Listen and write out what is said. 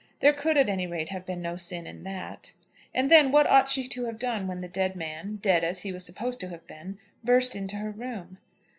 There could, at any rate, have been no sin in that. And then, what ought she to have done when the dead man, dead as he was supposed to have been, burst into her room?